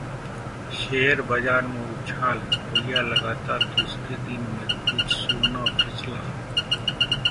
share बाजार में उछाल, रुपया लगातार दूसरे दिन मजबूत, सोना फिसला